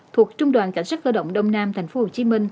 thuộc trung đoàn cảnh sát cơ động đông nam tp hcm